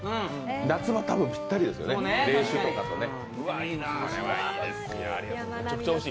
夏場ぴったりですよね、冷酒とかでね。